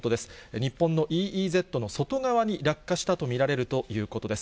日本のＥＥＺの外側に落下したと見られるということです。